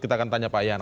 kita akan tanya pak yan